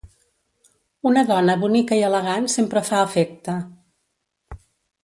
Una dona bonica i elegant sempre fa efecte.